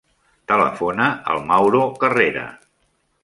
Telefona al Mauro Carrera.